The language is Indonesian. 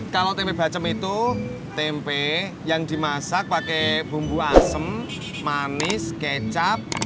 kalau tempe bacem itu tempe yang dimasak pakai bumbu asem manis kecap